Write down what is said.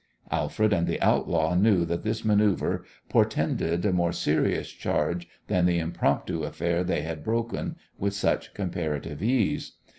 Alfred and the outlaw knew that this manoeuvre portended a more serious charge than the impromptu affair they had broken with such comparative ease.